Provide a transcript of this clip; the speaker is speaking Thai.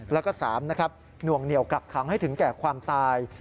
แล้วก็๓หน่วงเหนี่ยวกลับขังให้ถึงแก่ความตาย